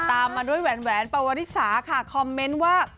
ตามมาด้วยแหวนปวริสาค่ะคอมเมนต์ว่า